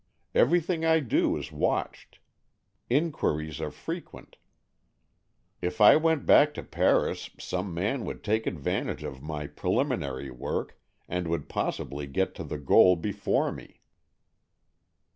Everything I do is watched. Inquiries are frequent. If I went back to Paris, some man would take advantage of my preliminary work and would possibly get to the goal before me."